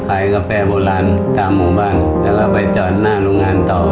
กาแฟโบราณตามหมู่บ้านแล้วก็ไปจอดหน้าโรงงานต่อ